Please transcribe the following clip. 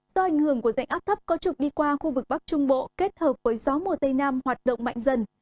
do ảnh hưởng của dạnh áp thấp có trục đi qua khu vực bắc trung bộ kết hợp với gió mùa tây nam hoạt động mạnh dần